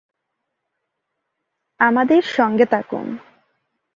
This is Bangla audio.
আমাদের সঙ্গে থাকুন